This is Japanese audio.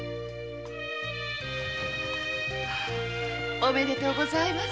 おめでとうございます。